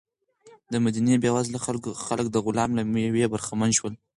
د مدینې بېوزله خلک د غلام له مېوې برخمن شول.